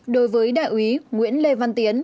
đối với đại úy nguyễn lê văn tiến